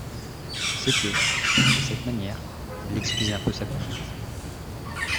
C'est que, de cette manière, elle excusait un peu sa conduite.